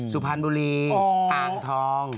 สุพรรณบุรีอ่างทอง